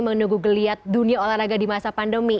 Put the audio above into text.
menunggu geliat dunia olahraga di masa pandemi